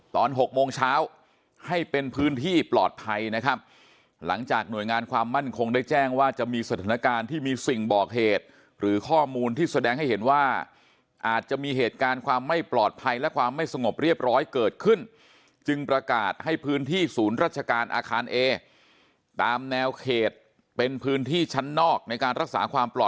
หกโมงเช้าให้เป็นพื้นที่ปลอดภัยนะครับหลังจากหน่วยงานความมั่นคงได้แจ้งว่าจะมีสถานการณ์ที่มีสิ่งบอกเหตุหรือข้อมูลที่แสดงให้เห็นว่าอาจจะมีเหตุการณ์ความไม่ปลอดภัยและความไม่สงบเรียบร้อยเกิดขึ้นจึงประกาศให้พื้นที่ศูนย์ราชการอาคารเอตามแนวเขตเป็นพื้นที่ชั้นนอกในการรักษาความปล่อ